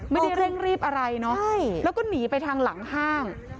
ไม่ได้เร่งรีบอะไรเนาะแล้วก็หนีไปทางหลังห้าง